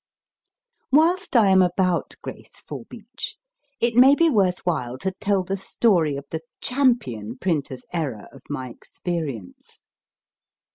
Whilst I am about Grace Forbeach, it may be worth while to tell the story of the champion printer s error of my experience.